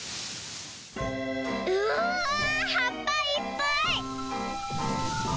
うわはっぱいっぱい！